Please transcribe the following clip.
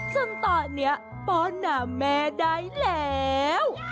ซึ่งตอนนี้ป้อนหน้าแม่ได้แล้ว